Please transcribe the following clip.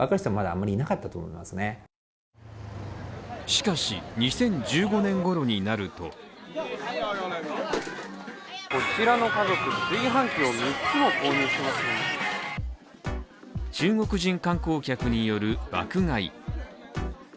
しかし、２０１５年ごろになると中国人観光客による、爆買い。